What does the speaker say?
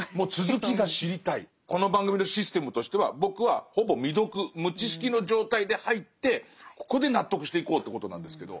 この番組のシステムとしては僕はほぼ未読無知識の状態で入ってここで納得していこうということなんですけど。